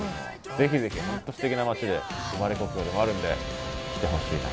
ぜひぜひ本当すてきな町で生まれ故郷でもあるんで来てほしいな。